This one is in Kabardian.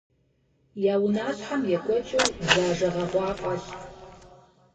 Я унащхьэм екӏуэкӏыу дзажэ гъэгъуа фӏэлът.